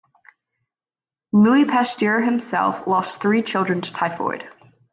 Louis Pasteur himself lost three children to typhoid.